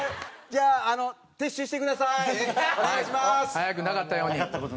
早くなかったように。